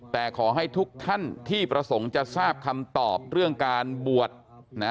แต่ขอให้ทุกท่านที่ประสงค์จะทราบคำตอบเรื่องการบวชนะ